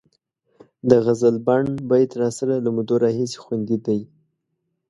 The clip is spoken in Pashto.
د غزلبڼ بیت راسره له مودو راهیسې خوندي دی.